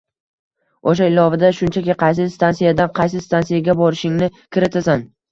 Oʻsha ilovada shunchaki qaysi stansiyadan qaysi stansiyaga borishingni kiritasan